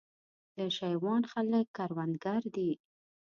د شېوان خلک کروندګر دي